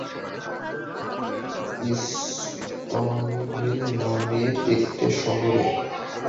Smallville নামের একটা শহরে।